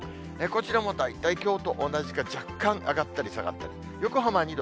こちらも大体、きょうと同じか、若干上がったり下がったり。